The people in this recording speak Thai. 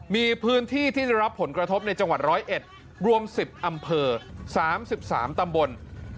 มีพื้นที่ที่ได้รับผลกระทบในจังหวัด๑๐๑รวม๑๐อำเภอ๓๓ตำบล